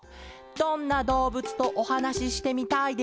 「どんなどうぶつとおはなししてみたいですか？」